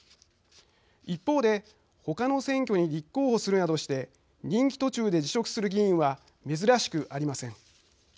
一方で他の選挙に立候補するなどして任期途中で辞職する議員は珍しくありません。